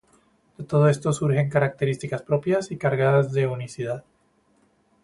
De todo esto surgen características propias y cargadas de unicidad.